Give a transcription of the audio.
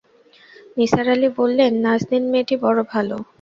নিসার আলি বললেন, নাজনীন মেয়েটি বড় ভালো।